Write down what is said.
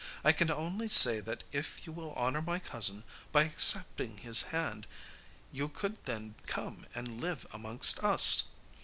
I can only say that if you will honour my cousin by accepting his hand, you could then come and live amongst us.